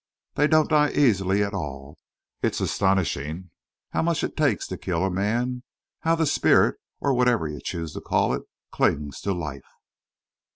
They don't die easily at all. It's astonishing how much it takes to kill a man how the spirit, or whatever you choose to call it, clings to life."